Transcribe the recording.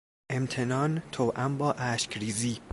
امتنان توام با اشکریزی